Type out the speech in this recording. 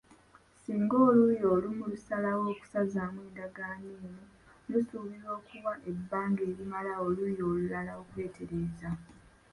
Singa oluuyi olumu lusalawo okusazaamu endagaano eno, lusuubirwa okuwa ebbanga erimala oluuyi olulala okwetereeza.